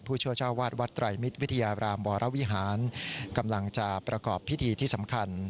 ผู้ช่วยเจ้าวาดวัดไตรมิตรวิทยารามวรวิหารกำลังจะประกอบพิธีที่สำคัญ